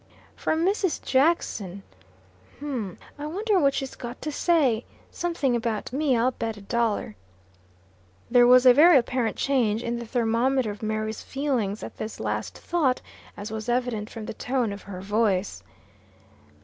"From Mrs. Jackson! Hum m. I wonder what she's got to say? Something about me, I'll bet a dollar." There was a very apparent change in the thermometer of Mary's feelings at this last thought, as was evident from the tone of her voice.